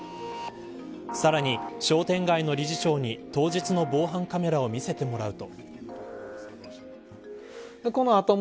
さらに商店街の理事長に当日の防犯カメラを見せてもらうと。